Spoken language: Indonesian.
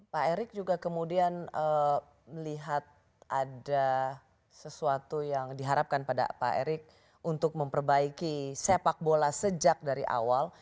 pak erick juga kemudian melihat ada sesuatu yang diharapkan pada pak erik untuk memperbaiki sepak bola sejak dari awal